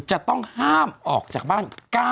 จะต้องห้ามออกจากบ้าน